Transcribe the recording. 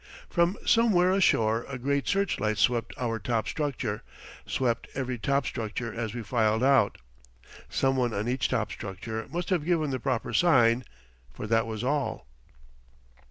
From somewhere ashore a great search light swept our top structure, swept every top structure as we filed out. Some one on each top structure must have given the proper sign, for that was all.